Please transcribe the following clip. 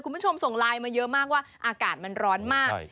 คุณผู้ชมส่งไลน์มาเยอะมากว่าอากาศมันร้อนมาก